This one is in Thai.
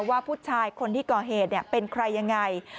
ว่าผู้ชายคนที่ก่อเหตุเป็นใครยังไง